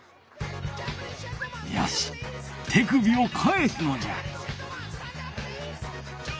よし手首を返すのじゃ！